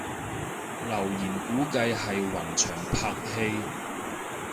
留言估計係雲翔拍戲